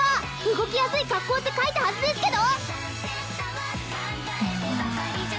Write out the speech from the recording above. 動きやすい格好って書いたはずですけど！